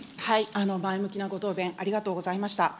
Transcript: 前向きなご答弁、ありがとうございました。